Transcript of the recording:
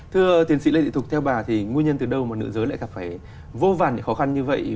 thưa tiến sĩ lê thị thục theo bà thì nguyên nhân từ đâu mà nữ giới lại gặp phải vô vàn những khó khăn như vậy